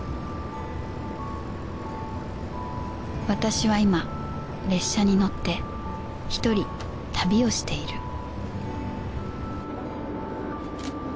私は今列車に乗って１人旅をしている